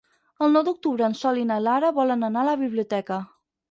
El nou d'octubre en Sol i na Lara volen anar a la biblioteca.